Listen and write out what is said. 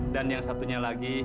dan yang satunya lagi